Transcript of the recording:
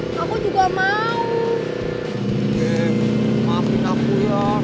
hai aku juga mau maafin aku ya